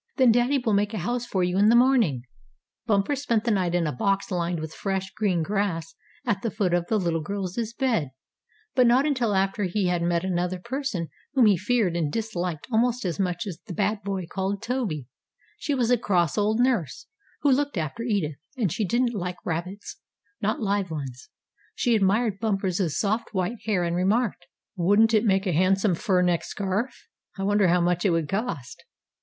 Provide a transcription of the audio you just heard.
Then daddy will make a house for you in the morning." [Illustration: He couldn't believe it was anything but a magic carrot] Bumper spent the night in a box lined with fresh, green grass at the foot of the little girl's bed, but not until after he had met another person whom he feared and disliked almost as much as the bad boy called Toby. She was a cross old nurse, who looked after Edith, and she didn't like rabbits not live ones. She admired Bumper's soft, white hair, and remarked: "Wouldn't it make a handsome fur neck scarf? I wonder how much it would cost."